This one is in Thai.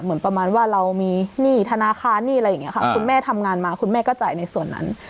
เหมือนประมาณว่าเรามีหนี้ธนาคารหนี้อะไรอย่างนี้ค่ะคุณแม่ทำงานมาคุณแม่ก็จ่ายในส่วนนั้น